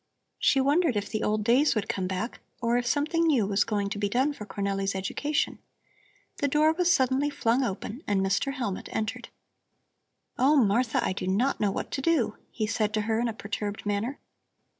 She wondered if the old days would come back, or if something new was going to be done for Cornelli's education. The door was suddenly flung open and Mr. Hellmut entered. "Oh, Martha, I do not know what to do," he said to her in a perturbed manner.